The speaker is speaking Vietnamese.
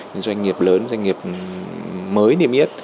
những doanh nghiệp lớn doanh nghiệp mới niêm yết